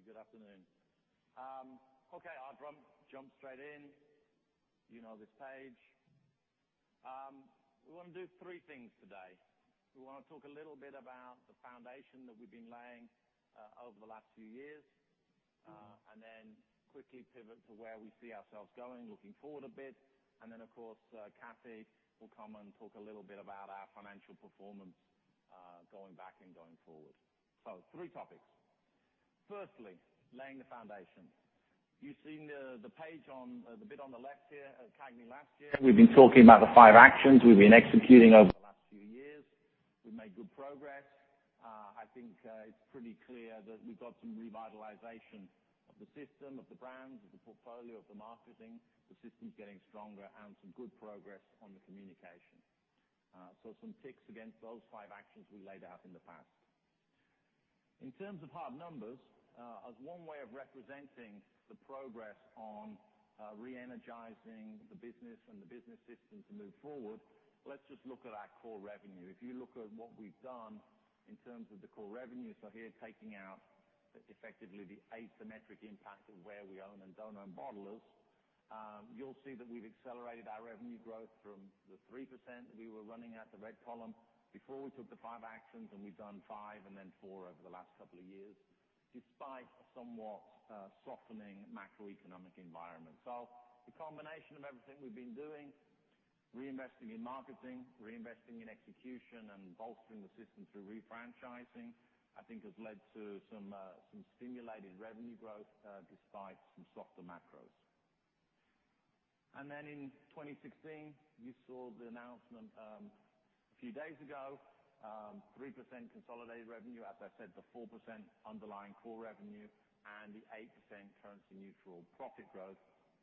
Thank you. Good afternoon. Okay, I'll jump straight in. You know this page. We want to do three things today. We want to talk a little bit about the foundation that we've been laying over the last few years, quickly pivot to where we see ourselves going, looking forward a bit, and, of course, Kathy will come and talk a little bit about our financial performance going back and going forward. Three topics. Firstly, laying the foundation. You've seen the page on the bit on the left here at CAGNY last year. We've been talking about the five actions we've been executing over the last few years. We've made good progress. I think it's pretty clear that we've got some revitalization of the system, of the brands, of the portfolio, of the marketing. The system's getting stronger and some good progress on the communication. Some ticks against those five actions we laid out in the past. In terms of hard numbers, as one way of representing the progress on re-energizing the business and the business system to move forward, let's just look at our core revenue. If you look at what we've done in terms of the core revenue, here, taking out effectively the asymmetric impact of where we own and don't own bottlers, you'll see that we've accelerated our revenue growth from the 3% that we were running at the red column before we took the five actions, we've done 5% and 4% over the last couple of years, despite a somewhat softening macroeconomic environment. The combination of everything we've been doing, reinvesting in marketing, reinvesting in execution, and bolstering the system through refranchising, I think has led to some stimulating revenue growth despite some softer macros. In 2016, you saw the announcement a few days ago, 3% consolidated revenue, as I said, the 4% underlying core revenue and the 8% currency neutral profit growth,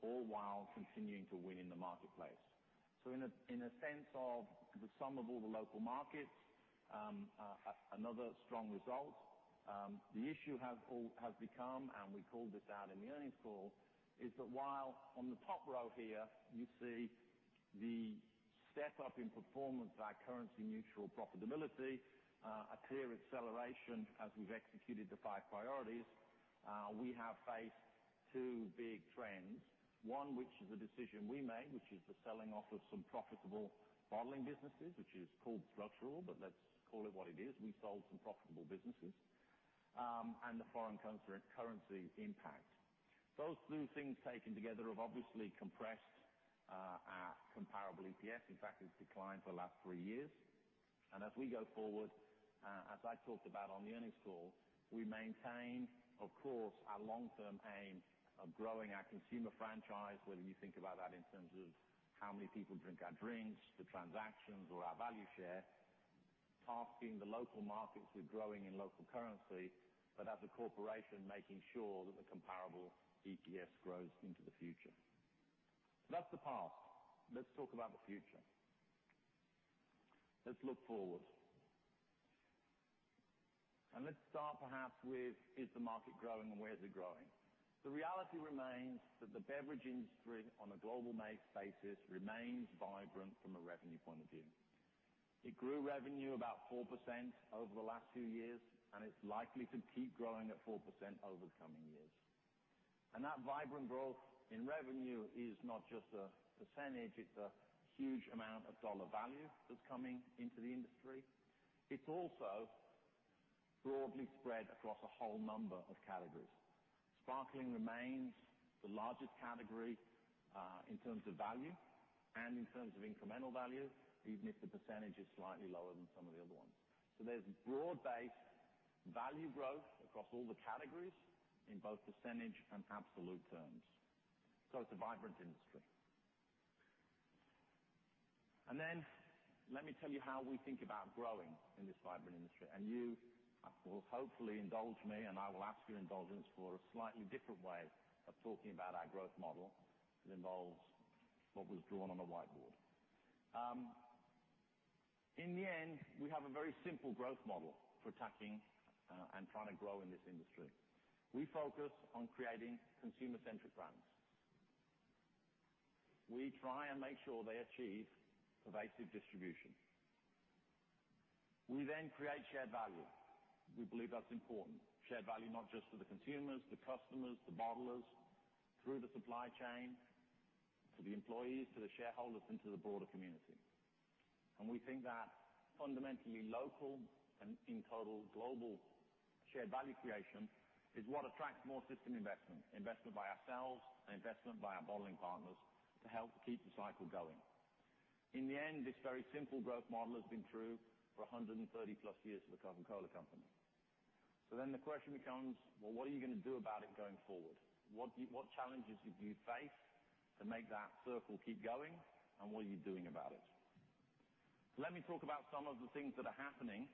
all while continuing to win in the marketplace. In a sense of the sum of all the local markets, another strong result. The issue has become, we called this out in the earnings call, is that while on the top row here, you see the step up in performance by currency neutral profitability, a clear acceleration as we've executed the five priorities. We have faced two big trends. One, which is a decision we made, which is the selling off of some profitable bottling businesses, which is called structural, but let's call it what it is. We sold some profitable businesses, the foreign currency impact. Those two things taken together have obviously compressed our comparable EPS. In fact, it's declined for the last three years. As we go forward, as I talked about on the earnings call, we maintain, of course, our long-term aim of growing our consumer franchise, whether you think about that in terms of how many people drink our drinks, the transactions or our value share, tasking the local markets with growing in local currency, but as a corporation, making sure that the comparable EPS grows into the future. That's the past. Let's talk about the future. Let's look forward. Let's start perhaps with, is the market growing and where is it growing? The reality remains that the beverage industry on a global basis remains vibrant from a revenue point of view. It grew revenue about 4% over the last two years, it's likely to keep growing at 4% over the coming years. That vibrant growth in revenue is not just a percentage, it's a huge amount of dollar value that's coming into the industry. It's also broadly spread across a whole number of categories. Sparkling remains the largest category, in terms of value and in terms of incremental value, even if the percentage is slightly lower than some of the other ones. There's broad-based value growth across all the categories in both percentage and absolute terms. It's a vibrant industry. Then let me tell you how we think about growing in this vibrant industry. You will hopefully indulge me, and I will ask your indulgence for a slightly different way of talking about our growth model. It involves what was drawn on the whiteboard. In the end, we have a very simple growth model for attacking and trying to grow in this industry. We focus on creating consumer-centric brands. We try and make sure they achieve pervasive distribution. We then create shared value. We believe that's important. Shared value, not just for the consumers, the customers, the bottlers, through the supply chain, to the employees, to the shareholders, and to the broader community. We think that fundamentally local and in total global shared value creation is what attracts more system investment by ourselves and investment by our bottling partners to help keep the cycle going. In the end, this very simple growth model has been true for 130 plus years for The Coca-Cola Company. The question becomes, well, what are you going to do about it going forward? What challenges do you face to make that circle keep going, and what are you doing about it? Let me talk about some of the things that are happening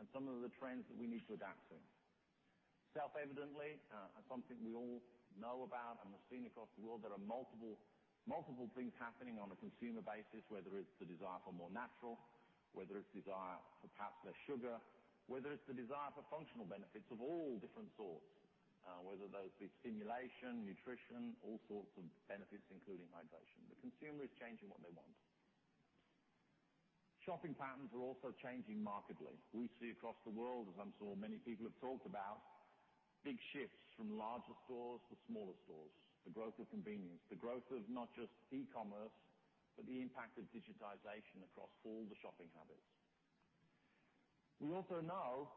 and some of the trends that we need to adapt to. Self-evidently, something we all know about and have seen across the world, there are multiple things happening on a consumer basis, whether it's the desire for more natural, whether it's desire for perhaps less sugar, whether it's the desire for functional benefits of all different sorts, whether those be stimulation, nutrition, all sorts of benefits, including hydration. The consumer is changing what they want. Shopping patterns are also changing markedly. We see across the world, as I'm sure many people have talked about, big shifts from larger stores to smaller stores, the growth of convenience, the growth of not just e-commerce, but the impact of digitization across all the shopping habits. We also know,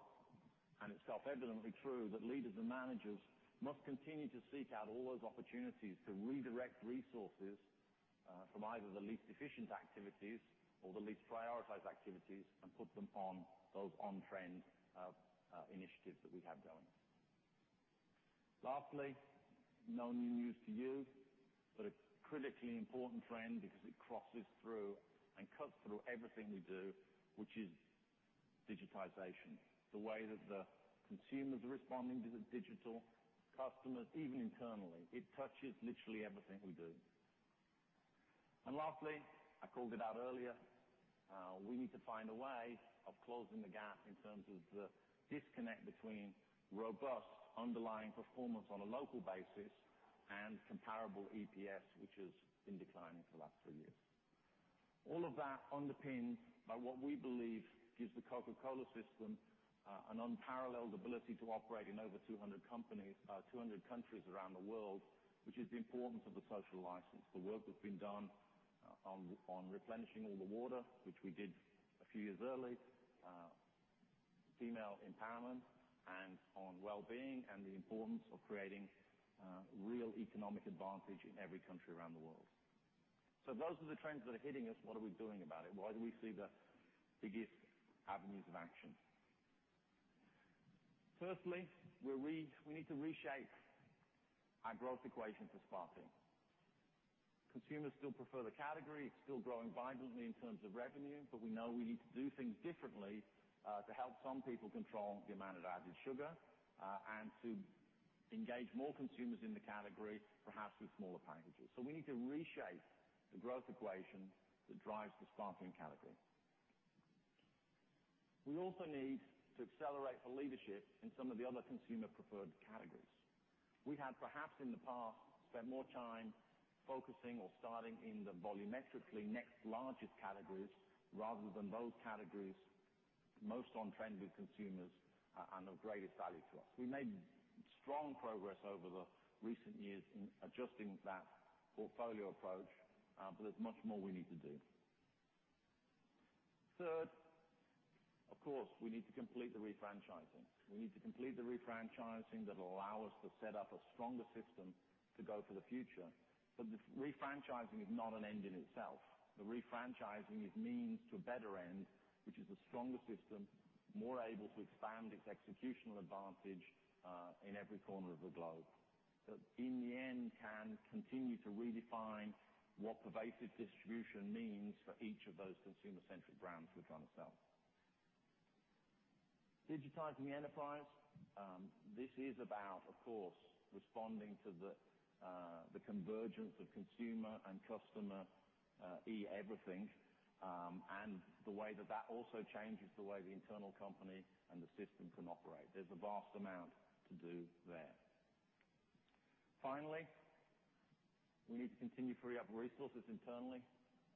and it's self-evidently true, that leaders and managers must continue to seek out all those opportunities to redirect resources from either the least efficient activities or the least prioritized activities and put them on those on-trend initiatives that we have going. Lastly, no new news to you, but a critically important trend because it crosses through and cuts through everything we do, which is digitization. The way that the consumers are responding to the digital customers, even internally. It touches literally everything we do. Lastly, I called it out earlier, we need to find a way of closing the gap in terms of the disconnect between robust underlying performance on a local basis and comparable EPS, which has been declining for the last three years. All of that underpinned by what we believe gives the Coca-Cola system an unparalleled ability to operate in over 200 countries around the world, which is the importance of the social license. The work that's been done on replenishing all the water, which we did a few years early, female empowerment, and on wellbeing and the importance of creating real economic advantage in every country around the world. Those are the trends that are hitting us. What are we doing about it? Where do we see the biggest avenues of action? Firstly, we need to reshape our growth equation for sparkling. Consumers still prefer the category. It's still growing violently in terms of revenue, but we know we need to do things differently, to help some people control the amount of added sugar, and to engage more consumers in the category, perhaps with smaller packages. We need to reshape the growth equation that drives the sparkling category. We also need to accelerate for leadership in some of the other consumer preferred categories. We had perhaps in the past spent more time focusing or starting in the volumetrically next largest categories rather than those categories most on trend with consumers and of greatest value to us. We made strong progress over the recent years in adjusting that portfolio approach, but there's much more we need to do. Third, of course, we need to complete the refranchising. We need to complete the refranchising that'll allow us to set up a stronger system to go for the future. The refranchising is not an end in itself. The refranchising is means to a better end, which is a stronger system, more able to expand its executional advantage, in every corner of the globe. That in the end can continue to redefine what pervasive distribution means for each of those consumer-centric brands we're trying to sell. Digitizing the enterprise. This is about, of course, responding to the convergence of consumer and customer e-everything, and the way that that also changes the way the internal company and the system can operate. There's a vast amount to do there. Finally, we need to continue to free up resources internally.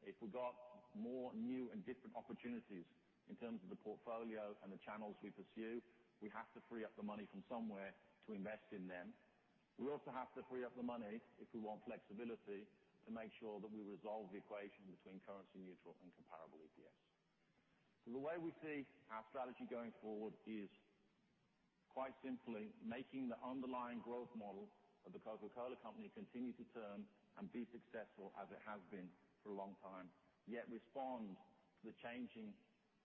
If we got more new and different opportunities in terms of the portfolio and the channels we pursue, we have to free up the money from somewhere to invest in them. We also have to free up the money if we want flexibility to make sure that we resolve the equation between currency neutral and comparable EPS. The way we see our strategy going forward is quite simply making the underlying growth model of The Coca-Cola Company continue to turn and be successful as it has been for a long time, yet respond to the changing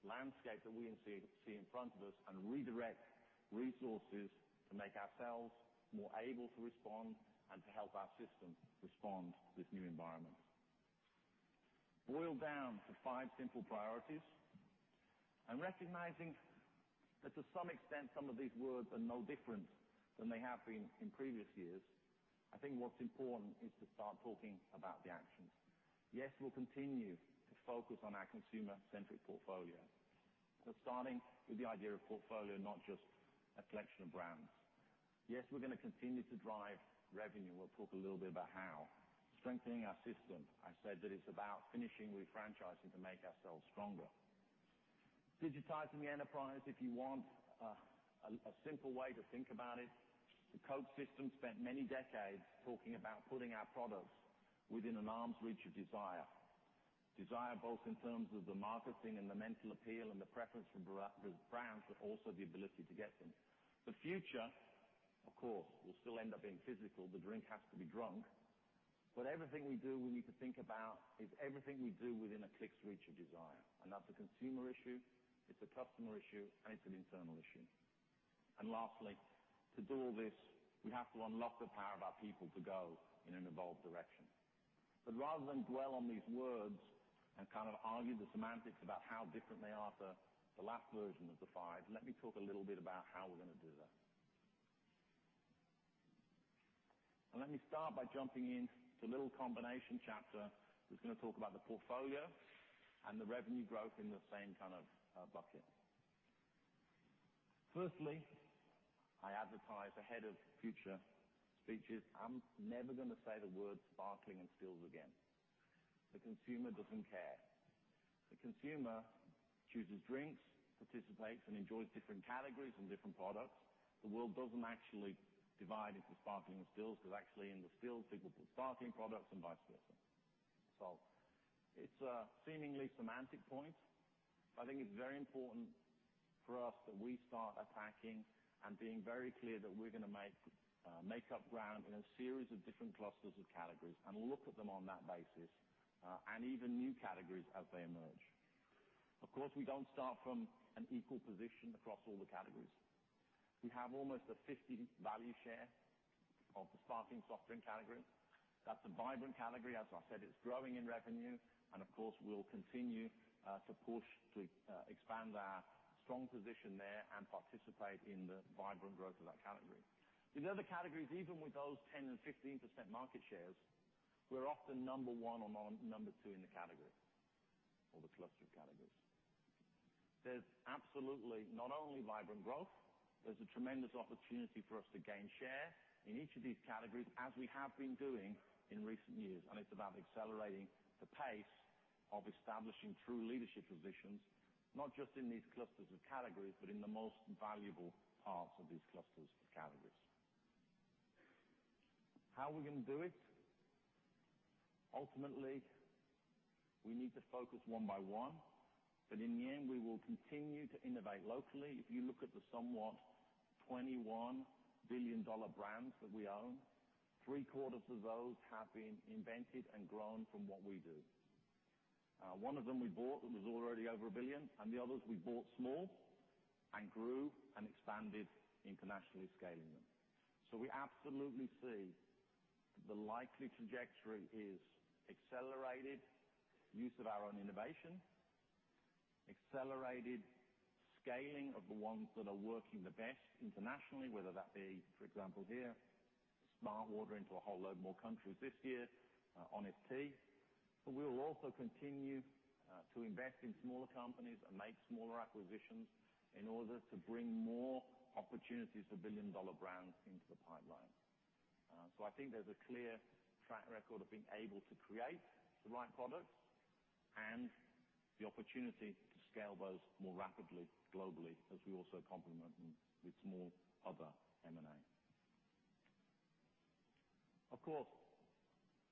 landscape that we see in front of us and redirect resources to make ourselves more able to respond and to help our system respond to this new environment. Boil down to five simple priorities, and recognizing that to some extent, some of these words are no different than they have been in previous years. I think what's important is to start talking about the actions. Yes, we'll continue to focus on our consumer-centric portfolio. Starting with the idea of portfolio, not just a collection of brands. Yes, we're going to continue to drive revenue. We'll talk a little bit about how. Strengthening our system. I said that it's about finishing refranchising to make ourselves stronger. Digitizing the enterprise. If you want a simple way to think about it, the Coke system spent many decades talking about putting our products within an arm's reach of desire. Desire both in terms of the marketing and the mental appeal and the preference for brands, but also the ability to get them. The future, of course, will still end up being physical. The drink has to be drunk. Everything we do, we need to think about is everything we do within a click's reach of desire. And that's a consumer issue, it's a customer issue, and it's an internal issue. And lastly, to do all this, we have to unlock the power of our people to go in an evolved direction. Rather than dwell on these words and kind of argue the semantics about how different they are to the last version of the five, let me talk a little bit about how we're going to do that. And let me start by jumping in to a little combination chapter that's going to talk about the portfolio and the revenue growth in the same kind of bucket. Firstly, I advertise ahead of future speeches. I'm never going to say the words sparkling and stills again. The consumer doesn't care. The consumer chooses drinks, participates, and enjoys different categories and different products. The world doesn't actually divide into sparkling and stills, because actually in the stills people put sparkling products and vice versa. It's a seemingly semantic point, but I think it's very important for us that we start attacking and being very clear that we're going to make up ground in a series of different clusters of categories and look at them on that basis, and even new categories as they emerge. Of course, we don't start from an equal position across all the categories. We have almost a 50 value share of the sparkling soft drink category. That's a vibrant category. As I said, it's growing in revenue. And of course, we'll continue to push to expand our strong position there and participate in the vibrant growth of that category. In other categories, even with those 10% and 15% market shares, we're often number one or number two in the category or the cluster of categories. There's absolutely not only vibrant growth, there's a tremendous opportunity for us to gain share in each of these categories as we have been doing in recent years. It's about accelerating the pace of establishing true leadership positions, not just in these clusters of categories, but in the most valuable parts of these clusters of categories. How are we going to do it? Ultimately, we need to focus one by one, but in the end, we will continue to innovate locally. If you look at the somewhat 21 billion-dollar brands that we own, three quarters of those have been invented and grown from what we do. One of them we bought that was already over $1 billion, and the others we bought small and grew and expanded internationally, scaling them. We absolutely see the likely trajectory is accelerated use of our own innovation, accelerated scaling of the ones that are working the best internationally, whether that be, for example, here, smartwater into a whole load more countries this year, Honest Tea. We will also continue to invest in smaller companies and make smaller acquisitions in order to bring more opportunities for billion-dollar brands into the pipeline. I think there's a clear track record of being able to create the right products and the opportunity to scale those more rapidly globally as we also complement them with more other M&A. Of course,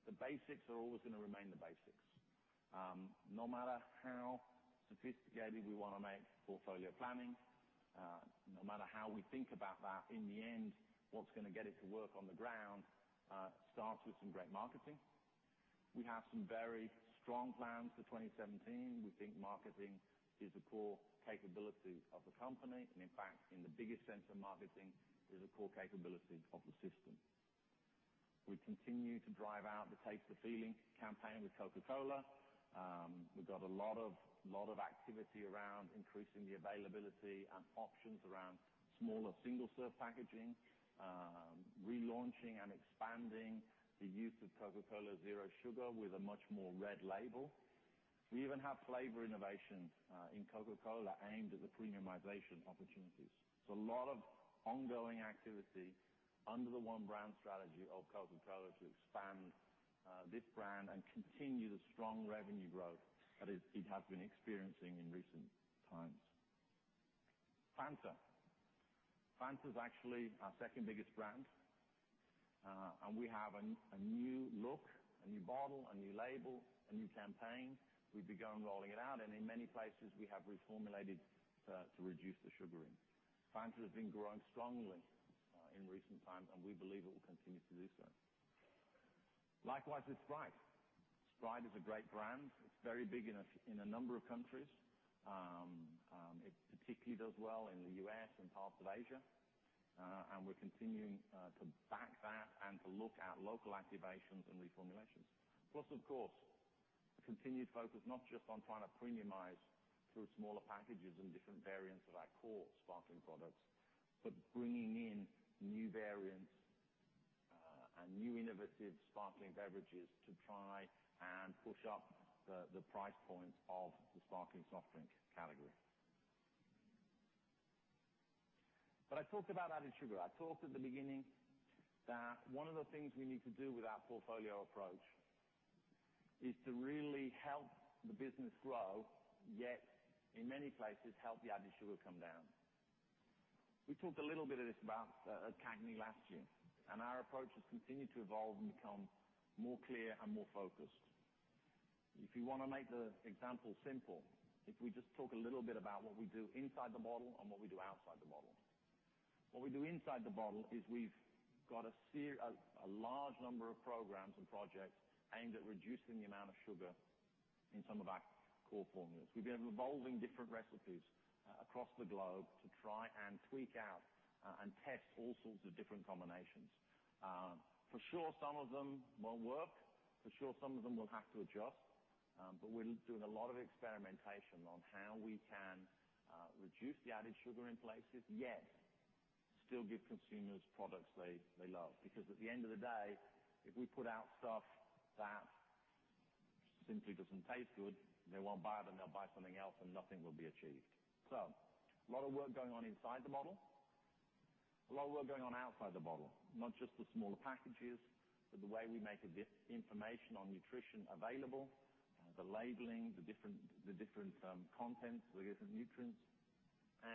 the basics are always going to remain the basics. No matter how sophisticated we want to make portfolio planning, no matter how we think about that, in the end, what's going to get it to work on the ground starts with some great marketing. We have some very strong plans for 2017. We think marketing is a core capability of the company, and in fact, in the biggest sense of marketing, is a core capability of the system. We continue to drive out the Taste the Feeling campaign with Coca-Cola. We've got a lot of activity around increasing the availability and options around smaller single-serve packaging, relaunching and expanding the use of Coca-Cola Zero Sugar with a much more red label. We even have flavor innovation in Coca-Cola aimed at the premiumization opportunities. A lot of ongoing activity under the one brand strategy of Coca-Cola to expand this brand and continue the strong revenue growth that it has been experiencing in recent times. Fanta. Fanta is actually our second biggest brand. We have a new look, a new bottle, a new label, a new campaign. We've begun rolling it out, and in many places, we have reformulated to reduce the sugar in it. Fanta has been growing strongly in recent times, and we believe it will continue to do so. Likewise with Sprite. Sprite is a great brand. It's very big in a number of countries. It particularly does well in the U.S. and parts of Asia. We're continuing to back that and to look at local activations and reformulations. Plus, of course, a continued focus, not just on trying to premiumize through smaller packages and different variants of our core sparkling products, but bringing in new variants and new innovative sparkling beverages to try and push up the price points of the sparkling soft drink category. I talked about added sugar. I talked at the beginning that one of the things we need to do with our portfolio approach is to really help the business grow, yet in many places, help the added sugar come down. We talked a little bit of this about at CAGNY last year, and our approach has continued to evolve and become more clear and more focused. If you want to make the example simple, if we just talk a little bit about what we do inside the bottle and what we do outside the bottle. What we do inside the bottle is we've got a large number of programs and projects aimed at reducing the amount of sugar in some of our core formulas. We've been evolving different recipes across the globe to try and tweak out and test all sorts of different combinations. For sure, some of them won't work. For sure, some of them we'll have to adjust. We're doing a lot of experimentation on how we can reduce the added sugar in places, yet still give consumers products they love. At the end of the day, if we put out stuff that Simply doesn't taste good, they won't buy it, and they'll buy something else, and nothing will be achieved. A lot of work going on inside the bottle, a lot of work going on outside the bottle. Not just the smaller packages, but the way we make information on nutrition available, the labeling, the different contents, the different nutrients,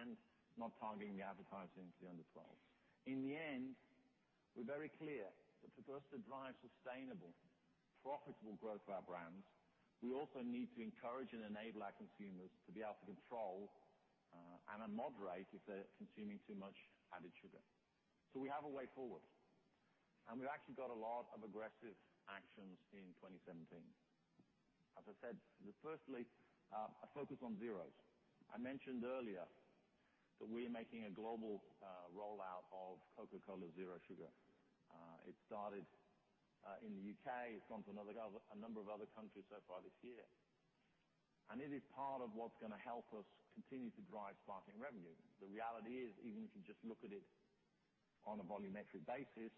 and not targeting advertising to the under 12s. In the end, we're very clear that for us to drive sustainable, profitable growth for our brands, we also need to encourage and enable our consumers to be able to control and then moderate if they're consuming too much added sugar. We have a way forward, and we've actually got a lot of aggressive actions in 2017. As I said, firstly, a focus on zeros. I mentioned earlier that we are making a global rollout of Coca-Cola Zero Sugar. It started in the U.K. It's gone to a number of other countries so far this year. It is part of what's going to help us continue to drive sparkling revenue. The reality is, even if you just look at it on a volumetric basis,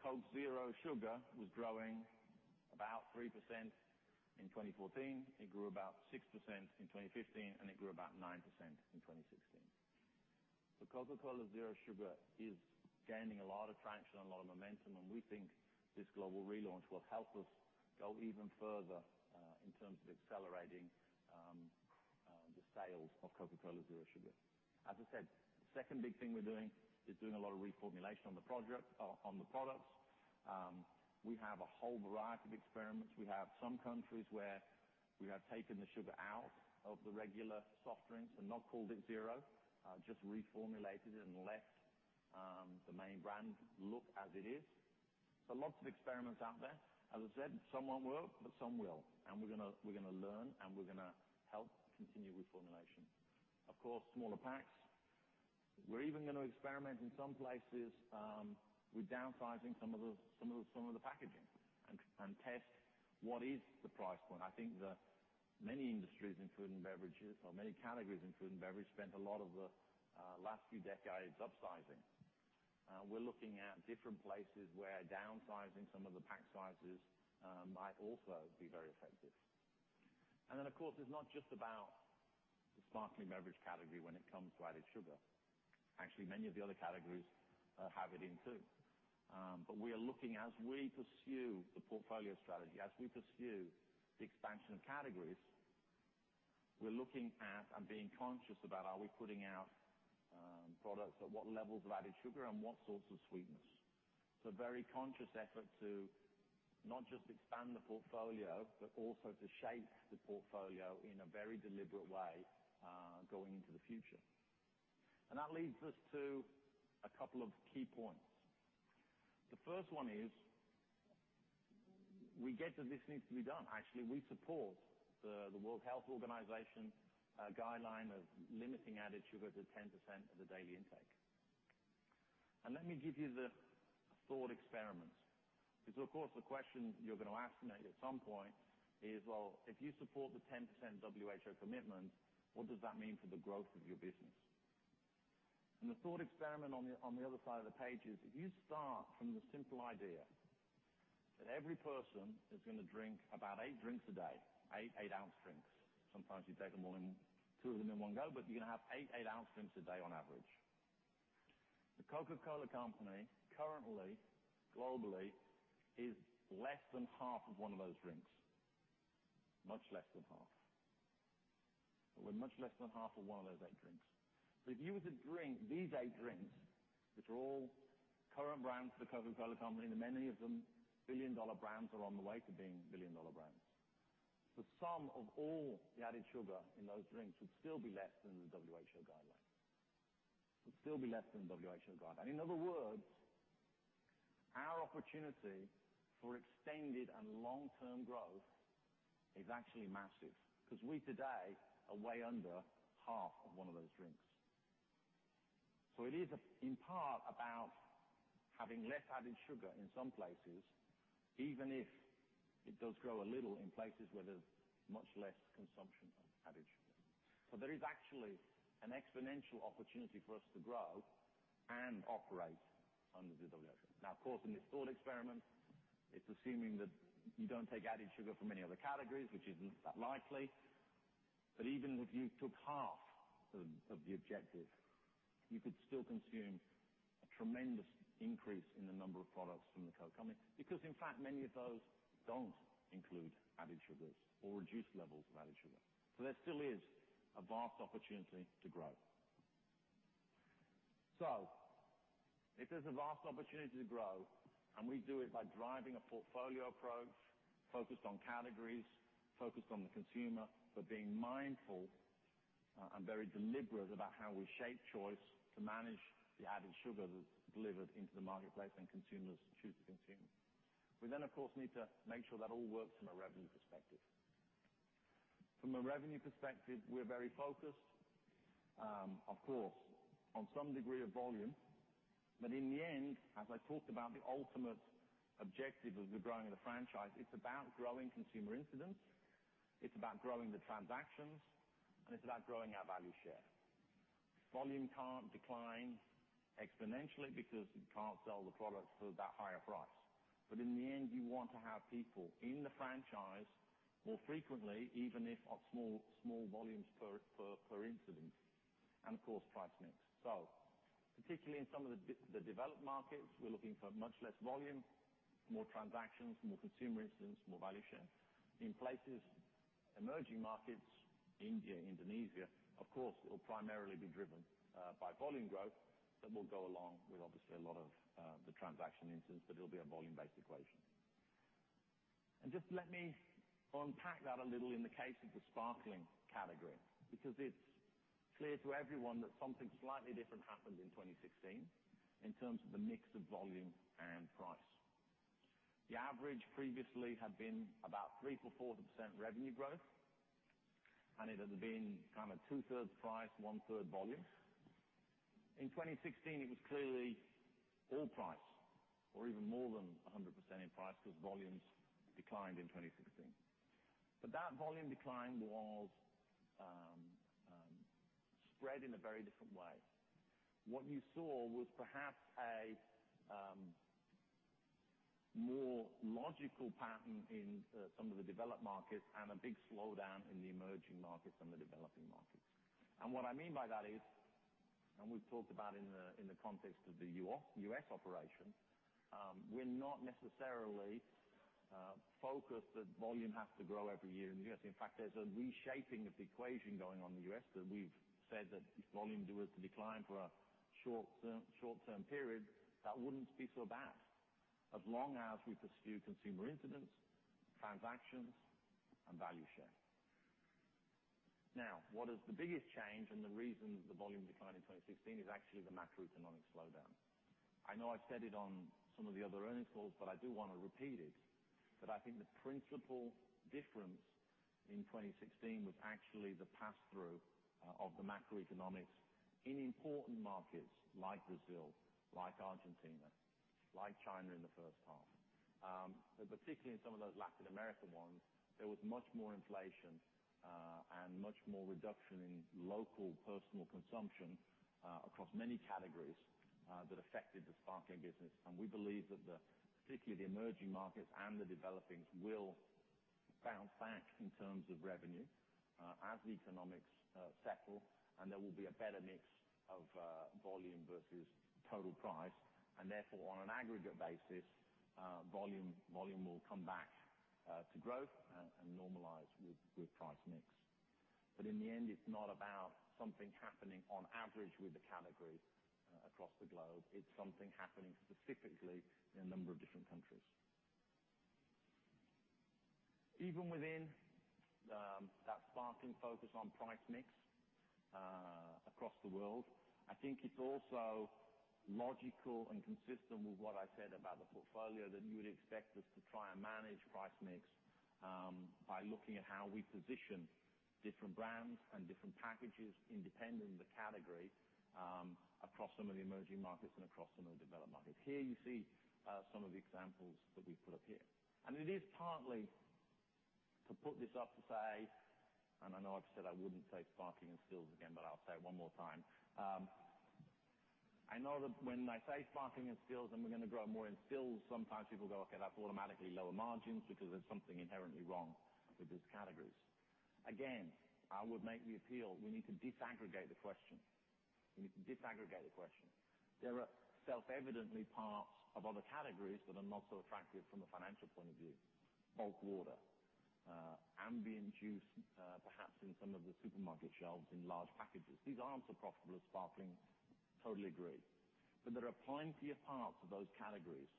Coke Zero Sugar was growing about 3% in 2014. It grew about 6% in 2015, and it grew about 9% in 2016. Coca-Cola Zero Sugar is gaining a lot of traction, a lot of momentum, and we think this global relaunch will help us go even further, in terms of accelerating the sales of Coca-Cola Zero Sugar. As I said, second big thing we're doing is doing a lot of reformulation on the products. We have a whole variety of experiments. We have some countries where we have taken the sugar out of the regular soft drinks and not called it zero, just reformulated it and left the main brand look as it is. Lots of experiments out there. As I said, some won't work, some will, and we're going to learn, and we're going to help continue reformulation. Of course, smaller packs. We're even going to experiment in some places with downsizing some of the packaging and test what is the price point. I think that many industries in food and beverages or many categories in food and beverage spent a lot of the last few decades upsizing. We're looking at different places where downsizing some of the pack sizes might also be very effective. Then, of course, it's not just about the sparkling beverage category when it comes to added sugar. Actually, many of the other categories have it in, too. We are looking as we pursue the portfolio strategy, as we pursue the expansion of categories, we're looking at and being conscious about are we putting out products at what levels of added sugar and what sorts of sweeteners. Very conscious effort to not just expand the portfolio, but also to shape the portfolio in a very deliberate way, going into the future. That leads us to a couple of key points. The first one is we get that this needs to be done. Actually, we support the World Health Organization guideline of limiting added sugar to 10% of the daily intake. Let me give you the thought experiment, because of course, the question you're going to ask me at some point is, well, if you support the 10% WHO commitment, what does that mean for the growth of your business? The thought experiment on the other side of the page is if you start from the simple idea that every person is going to drink about eight drinks a day, eight 8-ounce drinks. Sometimes you take them all in, two of them in one go, but you're going to have eight 8-ounce drinks a day on average. The Coca-Cola Company currently, globally, is less than half of one of those drinks. Much less than half. We're much less than half of one of those eight drinks. If you were to drink these eight drinks, which are all current brands for The Coca-Cola Company, and many of them billion-dollar brands or on the way to being billion-dollar brands, the sum of all the added sugar in those drinks would still be less than the WHO guideline. Would still be less than WHO guideline. In other words, our opportunity for extended and long-term growth is actually massive because we today are way under half of one of those drinks. It is in part about having less added sugar in some places, even if it does grow a little in places where there's much less consumption of added sugar. There is actually an exponential opportunity for us to grow and operate under the WHO. Of course, in this thought experiment, it's assuming that you don't take added sugar from any other categories, which isn't that likely. Even if you took half of the objective, you could still consume a tremendous increase in the number of products from the Coke company because, in fact, many of those don't include added sugars or reduced levels of added sugar. There still is a vast opportunity to grow. If there's a vast opportunity to grow, and we do it by driving a portfolio approach focused on categories, focused on the consumer, but being mindful and very deliberate about how we shape choice to manage the added sugar that's delivered into the marketplace and consumers choose to consume, we, of course, need to make sure that all works from a revenue perspective. From a revenue perspective, we're very focused, of course, on some degree of volume. In the end, as I talked about the ultimate objective of the growing of the franchise, it's about growing consumer incidence. It's about growing the transactions, and it's about growing our value share. Volume can't decline exponentially because you can't sell the products for that higher price. In the end, you want to have people in the franchise more frequently, even if of small volumes per incident, and of course, price mix. Particularly in some of the developed markets, we're looking for much less volume, more transactions, more consumer incidents, more value share. In places, emerging markets, India, Indonesia, of course, it will primarily be driven by volume growth that will go along with obviously a lot of the transaction incidents, but it'll be a volume-based equation. Just let me unpack that a little in the case of the sparkling category, because it's clear to everyone that something slightly different happened in 2016 in terms of the mix of volume and price. The average previously had been about 3%-4% revenue growth, and it had been two-thirds price, one-third volume. In 2016, it was clearly all price or even more than 100% in price because volumes declined in 2016. That volume decline was spread in a very different way. What you saw was perhaps a more logical pattern in some of the developed markets and a big slowdown in the emerging markets and the developing markets. What I mean by that is, we've talked about in the context of the U.S. operation, we're not necessarily focused that volume has to grow every year in the U.S. In fact, there's a reshaping of the equation going on in the U.S. that we've said that if volume were to decline for a short-term period, that wouldn't be so bad as long as we pursue consumer incidents, transactions, and value share. What is the biggest change and the reason the volume declined in 2016 is actually the macroeconomic slowdown. I know I've said it on some of the other earnings calls, I do want to repeat it, that I think the principal difference in 2016 was actually the pass-through of the macroeconomics in important markets like Brazil, like Argentina, like China in the first half. Particularly in some of those Latin American ones, there was much more inflation, and much more reduction in local personal consumption, across many categories, that affected the sparkling business. We believe that particularly the emerging markets and the developing will bounce back in terms of revenue as the economics settle, and there will be a better mix of volume versus total price. Therefore, on an aggregate basis, volume will come back to growth and normalize with price mix. In the end, it's not about something happening on average with the category across the globe. It's something happening specifically in a number of different countries. Even within that sparkling focus on price mix across the world, I think it's also logical and consistent with what I said about the portfolio that you would expect us to try and manage price mix by looking at how we position different brands and different packages independent of the category across some of the emerging markets and across some of the developed markets. Here you see some of the examples that we put up here. It is partly to put this up to say, I know I've said I wouldn't say sparkling and stills again, I'll say it one more time. I know that when I say sparkling and stills, and we're going to grow more in stills, sometimes people go, "Okay, that's automatically lower margins because there's something inherently wrong with these categories." Again, I would make the appeal, we need to disaggregate the question. There are self-evidently parts of other categories that are not so attractive from a financial point of view. Bulk water, ambient juice, perhaps in some of the supermarket shelves in large packages. These aren't so profitable as sparkling. Totally agree. There are plenty of parts of those categories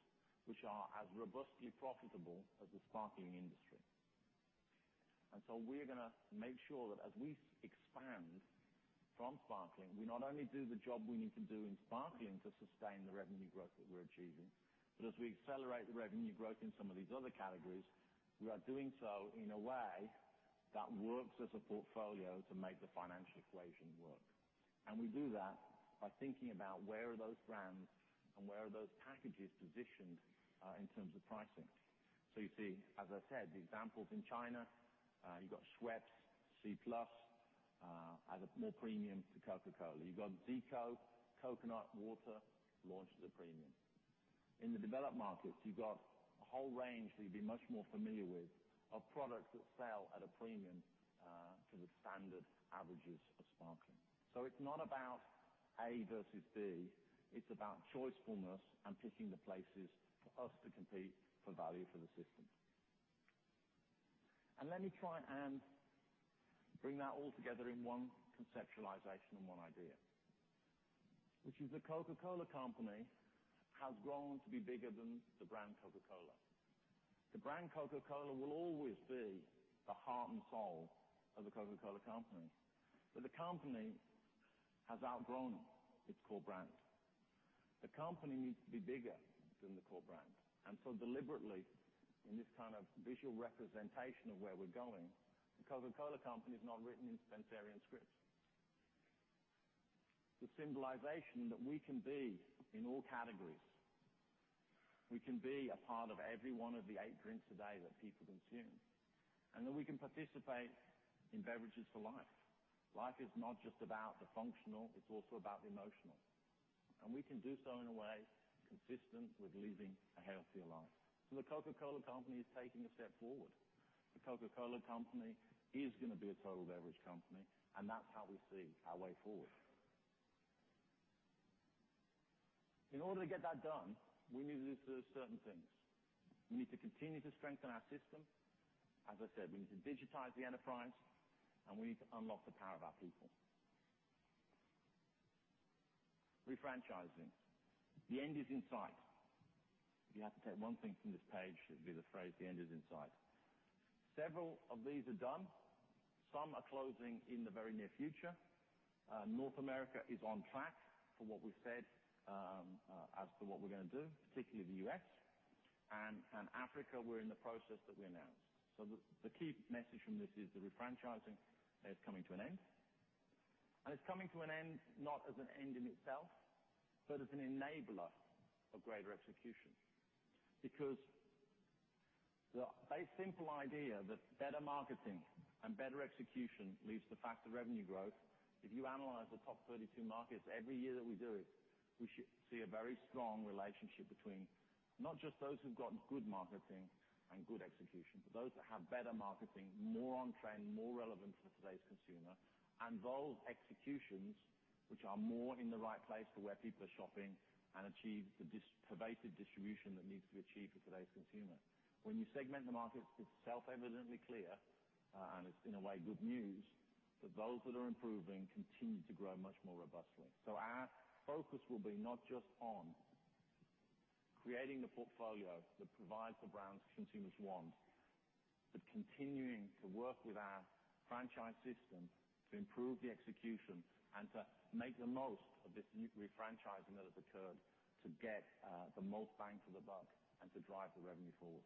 which are as robustly profitable as the sparkling industry. We're going to make sure that as we expand from sparkling, we not only do the job we need to do in sparkling to sustain the revenue growth that we're achieving, but as we accelerate the revenue growth in some of these other categories, we are doing so in a way that works as a portfolio to make the financial equation work. We do that by thinking about where are those brands and where are those packages positioned, in terms of pricing. You see, as I said, the examples in China, you got Schweppes, C'Plus, as a more premium to Coca-Cola. You got Zico, coconut water launched as a premium. In the developed markets, you've got a whole range that you'd be much more familiar with of products that sell at a premium to the standard averages of sparkling. It's not about A versus B, it's about choicefulness and picking the places for us to compete for value for the system. Let me try and bring that all together in one conceptualization and one idea, which is The Coca-Cola Company has grown to be bigger than the brand Coca-Cola. The brand Coca-Cola will always be the heart and soul of The Coca-Cola Company, but the company has outgrown its core brand. The company needs to be bigger than the core brand. Deliberately, in this kind of visual representation of where we're going, The Coca-Cola Company is not written in Spencerian script. The symbolization that we can be in all categories. We can be a part of every one of the eight drinks a day that people consume, and that we can participate in beverages for life. Life is not just about the functional, it's also about the emotional. We can do so in a way consistent with living a healthier life. The Coca-Cola Company is taking a step forward. The Coca-Cola Company is going to be a total beverage company, and that's how we see our way forward. In order to get that done, we need to do certain things. We need to continue to strengthen our system. As I said, we need to digitize the enterprise, and we need to unlock the power of our people. Refranchising, the end is in sight. If you had to take one thing from this page, it'd be the phrase, "The end is in sight." Several of these are done. Some are closing in the very near future. North America is on track for what we've said as to what we're going to do, particularly the U.S. Africa, we're in the process that we announced. The key message from this is the refranchising is coming to an end, and it's coming to an end, not as an end in itself, but as an enabler of greater execution. The simple idea that better marketing and better execution leads to faster revenue growth. If you analyze the top 32 markets every year that we do it, we should see a very strong relationship between not just those who've gotten good marketing and good execution, but those that have better marketing, more on trend, more relevant for today's consumer, and those executions which are more in the right place to where people are shopping and achieve the pervasive distribution that needs to be achieved for today's consumer. When you segment the markets, it's self-evidently clear, and it's in a way good news, that those that are improving continue to grow much more robustly. Our focus will be not just on creating the portfolio that provides the brands consumers want, but continuing to work with our franchise system to improve the execution and to make the most of this new refranchising that has occurred to get the most bang for the buck and to drive the revenue forward.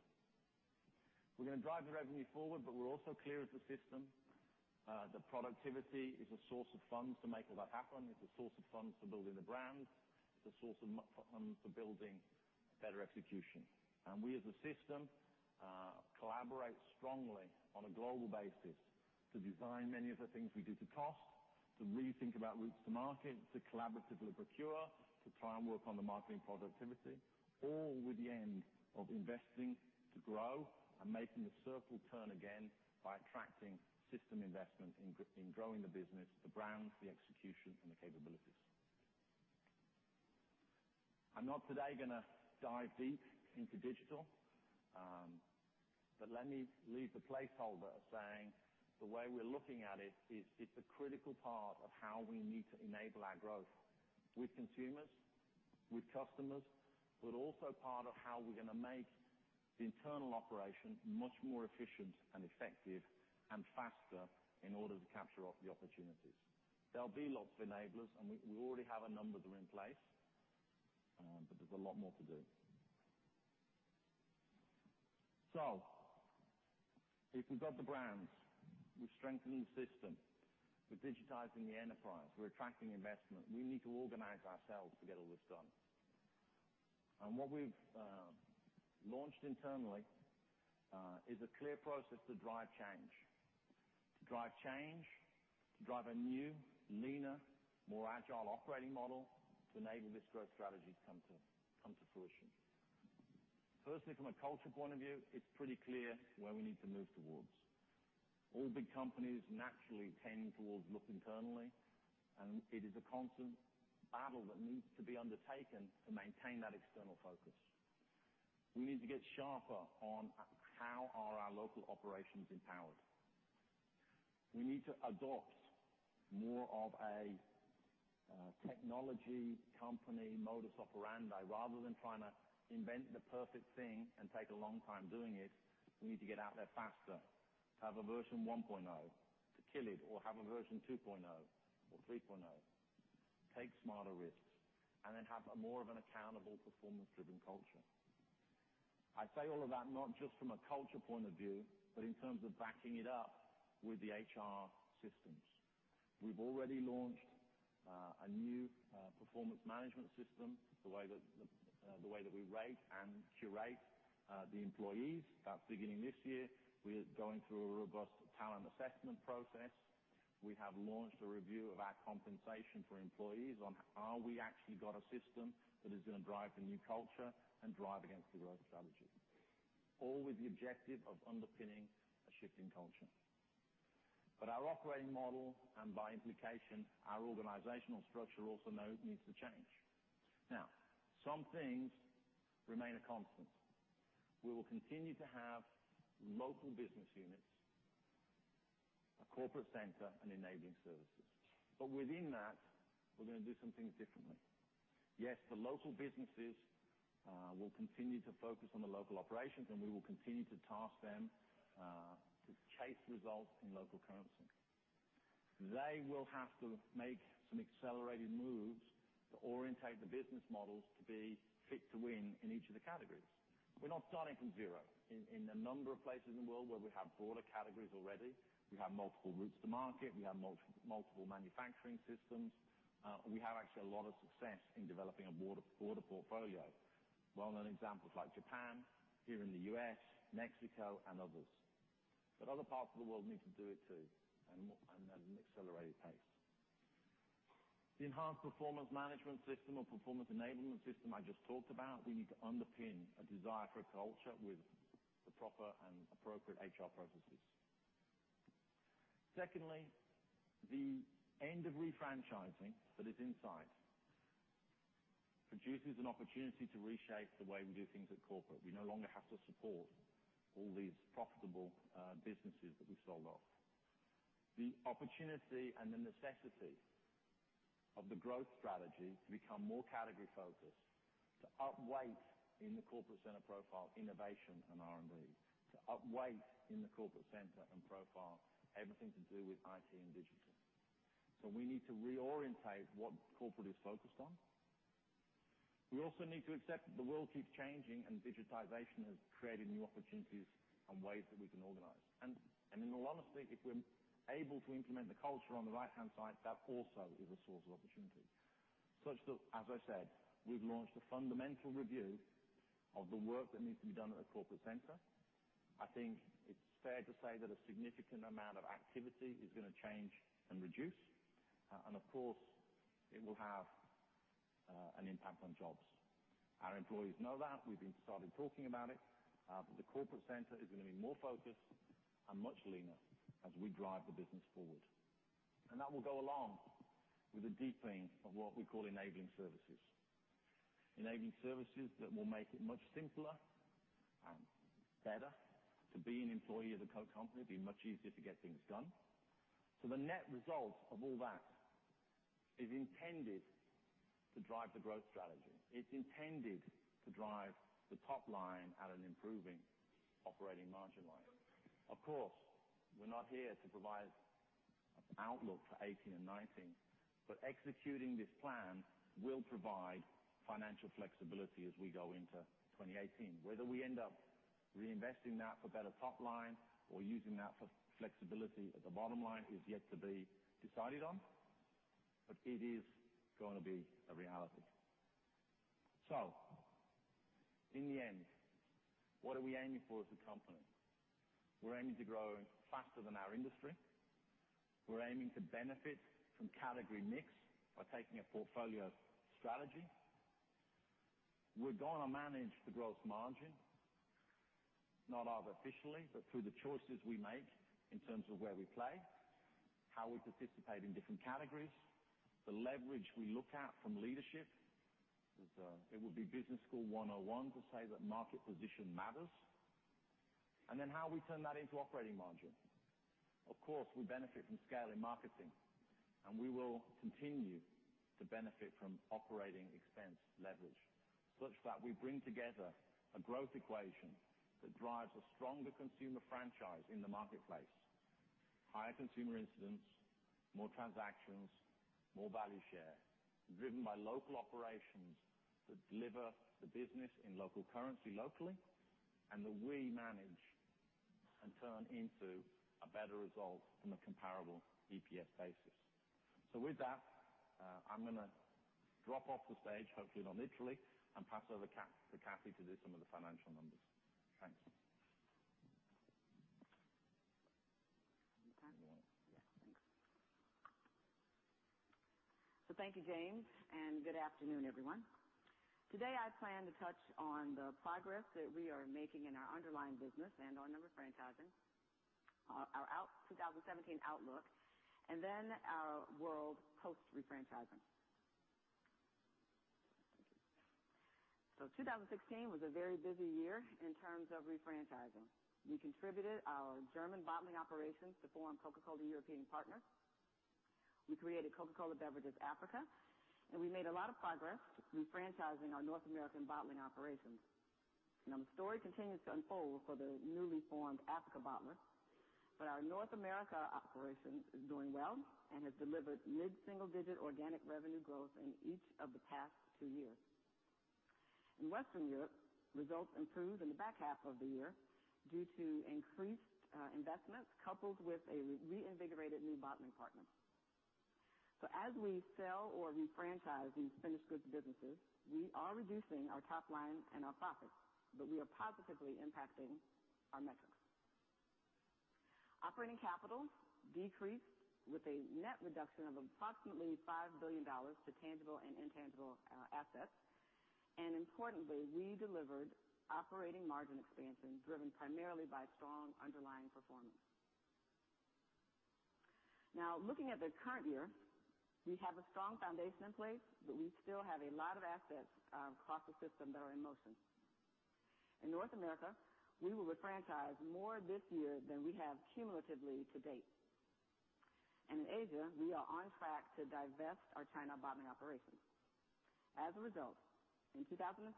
We're going to drive the revenue forward, we're also clear as a system that productivity is a source of funds to make all that happen. It's a source of funds for building the brands. It's a source of funds for building better execution. We as a system collaborate strongly on a global basis to design many of the things we do to cost, to rethink about routes to market, to collaboratively procure, to try and work on the marketing productivity, all with the end of investing to grow and making the circle turn again by attracting system investment in growing the business, the brands, the execution, and the capabilities. I'm not today going to dive deep into digital, but let me leave the placeholder saying the way we're looking at it is it's a critical part of how we need to enable our growth with consumers, with customers, but also part of how we're going to make the internal operation much more efficient and effective and faster in order to capture all the opportunities. There'll be lots of enablers, we already have a number that are in place, but there's a lot more to do. If we've got the brands, we're strengthening the system, we're digitizing the enterprise, we're attracting investment, we need to organize ourselves to get all this done. What we've launched internally is a clear process to drive change. To drive change, to drive a new, leaner, more agile operating model to enable this growth strategy to come to fruition. Firstly, from a culture point of view, it's pretty clear where we need to move towards. All big companies naturally tend towards look internally, and it is a constant battle that needs to be undertaken to maintain that external focus. We need to get sharper on how are our local operations empowered. We need to adopt more of a technology company modus operandi. Rather than trying to invent the perfect thing and take a long time doing it, we need to get out there faster, have a version 1.0 to kill it, or have a version 2.0 or 3.0, take smarter risks, and then have a more of an accountable performance-driven culture. I say all of that not just from a culture point of view, but in terms of backing it up with the HR systems. We've already launched a new performance management system, the way that we rate and curate the employees. That's beginning this year. We're going through a robust talent assessment process. We have launched a review of our compensation for employees on have we actually got a system that is going to drive the new culture and drive against the growth strategy, all with the objective of underpinning a shift in culture. Our operating model and by implication, our organizational structure also now needs to change. Some things remain a constant. We will continue to have local business units, a corporate center, and enabling services. Within that, we're going to do some things differently. Yes, the local businesses will continue to focus on the local operations, and we will continue to task them to chase results in local currency. They will have to make some accelerated moves to orientate the business models to be fit to win in each of the categories. We're not starting from zero. In a number of places in the world where we have broader categories already, we have multiple routes to market, we have multiple manufacturing systems. We have actually a lot of success in developing a broader portfolio. Well-known examples like Japan, here in the U.S., Mexico, and others. Other parts of the world need to do it too, and at an accelerated pace. The enhanced performance management system or performance enablement system I just talked about, we need to underpin a desire for a culture with the proper and appropriate HR processes. Secondly, the end of refranchising that is in sight produces an opportunity to reshape the way we do things at corporate. We no longer have to support all these profitable businesses that we've sold off. The opportunity and the necessity of the growth strategy to become more category-focused, to up-weight in the corporate center profile innovation and R&D, to up-weight in the corporate center and profile everything to do with IT and digital. We need to re-orientate what corporate is focused on. We also need to accept that the world keeps changing, and digitization has created new opportunities and ways that we can organize. In all honesty, if we're able to implement the culture on the right-hand side, that also is a source of opportunity. Such that, as I said, we've launched a fundamental review of the work that needs to be done at the corporate center. I think it's fair to say that a significant amount of activity is going to change and reduce. Of course, it will have an impact on jobs. Our employees know that. We've started talking about it. The corporate center is going to be more focused and much leaner as we drive the business forward. That will go along with a deepening of what we call enabling services. Enabling services that will make it much simpler and better to be an employee of the Coke company, be much easier to get things done. The net result of all that is intended to drive the growth strategy. It's intended to drive the top line at an improving operating margin line. Of course, we're not here to provide outlook for 2018 and 2019, executing this plan will provide financial flexibility as we go into 2018. Whether we end up reinvesting that for better top line or using that for flexibility at the bottom line is yet to be decided on, it is going to be a reality. In the end, what are we aiming for as a company? We're aiming to grow faster than our industry. We're aiming to benefit from category mix by taking a portfolio strategy. We're going to manage the gross margin, not artificially, but through the choices we make in terms of where we play, how we participate in different categories, the leverage we look at from leadership. It would be business school 101 to say that market position matters. How we turn that into operating margin. Of course, we benefit from scale in marketing. We will continue to benefit from operating expense leverage, such that we bring together a growth equation that drives a stronger consumer franchise in the marketplace. Higher consumer incidents, more transactions, more value share, driven by local operations that deliver the business in local currency locally, that we manage and turn into a better result in a comparable EPS basis. With that, I'm going to drop off the stage, hopefully not literally, and pass over to Kathy to do some of the financial numbers. Thanks. Yeah. Thanks. Thank you, James, and good afternoon, everyone. Today, I plan to touch on the progress that we are making in our underlying business and on refranchising, our 2017 outlook, our world post refranchising. Thank you. 2016 was a very busy year in terms of refranchising. We contributed our German bottling operations to form Coca-Cola European Partners. We created Coca-Cola Beverages Africa. We made a lot of progress refranchising our North American bottling operations. The story continues to unfold for the newly formed Africa bottler. Our North America operation is doing well and has delivered mid-single digit organic revenue growth in each of the past two years. In Western Europe, results improved in the back half of the year due to increased investments coupled with a reinvigorated new bottling partner. As we sell or refranchise these finished goods businesses, we are reducing our top line and our profits. We are positively impacting our metrics. Operating capital decreased with a net reduction of approximately $5 billion to tangible and intangible assets. Importantly, we delivered operating margin expansion driven primarily by strong underlying performance. Looking at the current year, we have a strong foundation in place. We still have a lot of assets across the system that are in motion. In North America, we will refranchise more this year than we have cumulatively to date. In Asia, we are on track to divest our China bottling operations. As a result, in 2017,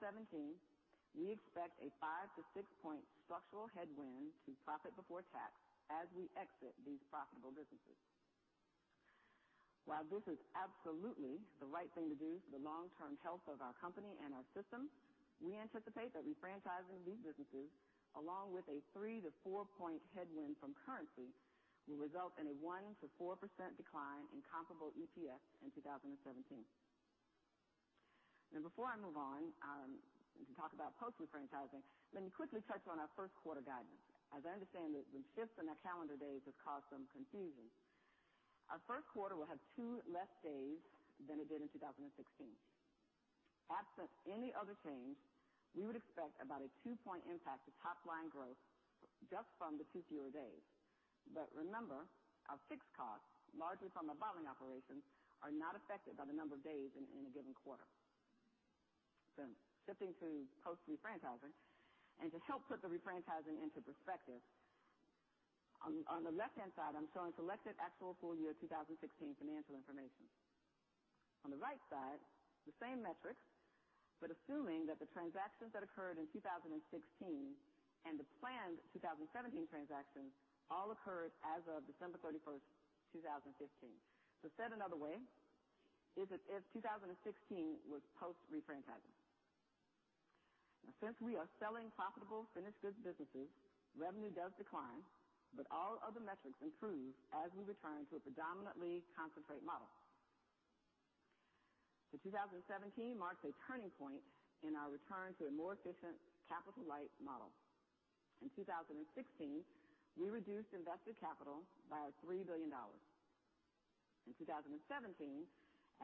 we expect a five to six-point structural headwind to profit before tax as we exit these profitable businesses. While this is absolutely the right thing to do for the long-term health of our company and our system, we anticipate that refranchising these businesses, along with a three to four-point headwind from currency, will result in a 1%-4% decline in comparable EPS in 2017. Before I move on to talk about post refranchising, let me quickly touch on our first quarter guidance. As I understand it, the shift in our calendar days has caused some confusion. Our first quarter will have two less days than it did in 2016. Absent any other change, we would expect about a two-point impact to top-line growth just from the two fewer days. Remember, our fixed costs, largely from the bottling operations, are not affected by the number of days in a given quarter. Shifting to post refranchising. To help put the refranchising into perspective, on the left-hand side, I'm showing selected actual full year 2016 financial information. On the right side, the same metrics, but assuming that the transactions that occurred in 2016 and the planned 2017 transactions all occurred as of December 31st, 2015. Said another way, as if 2016 was post refranchising. Since we are selling profitable finished goods businesses, revenue does decline, but all other metrics improve as we return to a predominantly concentrate model. 2017 marks a turning point in our return to a more efficient capital-light model. In 2016, we reduced invested capital by $3 billion. In 2017,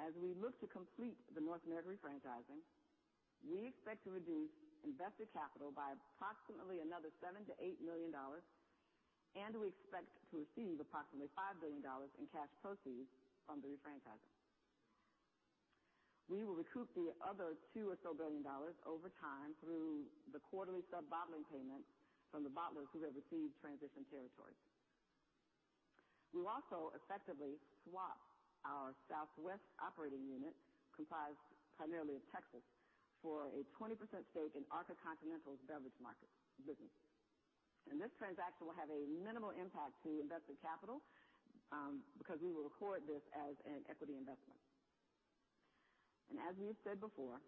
as we look to complete the North American refranchising, we expect to reduce invested capital by approximately another $7 million-$8 million, and we expect to receive approximately $5 billion in cash proceeds from the refranchising. We will recoup the other two or so billion dollars over time through the quarterly sub-bottling payments from the bottlers who have received transition territories. We will also effectively swap our Southwest operating unit, comprised primarily of Texas, for a 20% stake in Arca Continental's beverage markets business. This transaction will have a minimal impact to invested capital because we will record this as an equity investment. As we have said before,